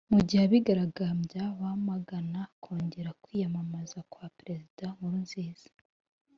Mu gihe abigaragambya bamagana kongera kwiyamamaza kwa Perezida Nkurunziza